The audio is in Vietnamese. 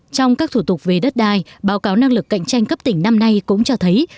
trong các thủ tục về đất đai báo cáo năng lực cạnh tranh cấp tỉnh năm nay cũng cho thấy